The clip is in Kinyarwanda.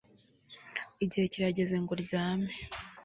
Igihe kirageze ngo uryame